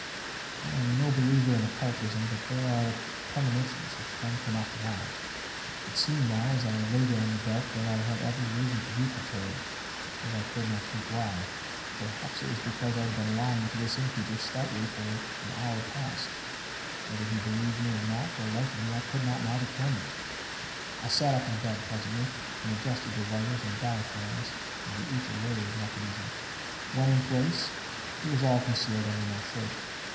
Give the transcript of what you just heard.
I am no believer in occultism, but there are premonitions which one cannot deny. It seemed now as I lay there in the dark that I had every reason to be perturbed, yet I could not think why. Perhaps it was because I had been lying to this innkeeper stoutly for an hour past, and whether he believed me or not for the life of me I could not now determine. I sat up on the bed, presently, and adjusted the wires and diaphragms of the ether wave mechanism. When in place it was all concealed under my shirt.